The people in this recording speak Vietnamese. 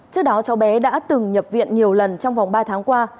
trước đó cháu bé đã từng nhập viện nhiều lần trong vòng ba tháng qua